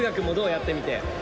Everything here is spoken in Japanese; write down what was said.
やってみて。